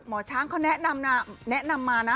หมอช้างเขาแนะนำมานะ